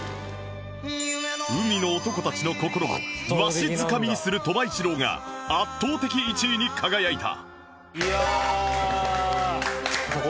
海の男たちの心をわしづかみにする鳥羽一郎が圧倒的１位に輝いた